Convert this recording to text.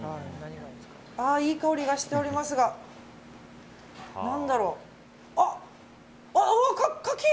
いい香りがしておりますが何だろう。